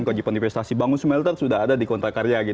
kewajipan divestasi bangun smelter sudah ada di kontrak karya